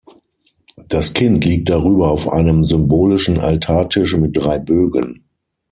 Das Kind liegt darüber auf einem symbolischen Altartisch mit drei Bögen.